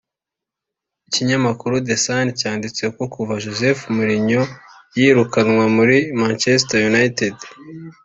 Ikinyamakuru The Sun cyanditse ko kuva Jose Mourinho yirukanwa muri Manchester United